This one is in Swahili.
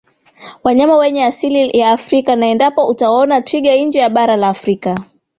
wanyama wenye asili ya Afrika na endapo utawaona twiga nje ya bara la Afrika